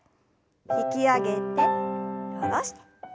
引き上げて下ろして。